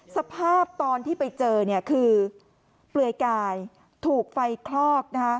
สภาพตอนที่ไปเจอคือเปลือยกายถูกไฟคลอก